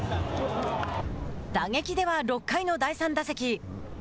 打撃では、６回の第３打席。